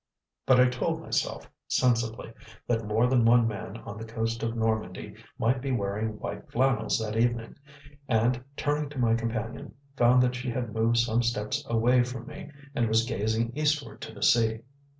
But I told myself, sensibly, that more than one man on the coast of Normandy might be wearing white flannels that evening, and, turning to my companion, found that she had moved some steps away from me and was gazing eastward to the sea.